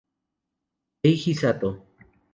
Eiji Sato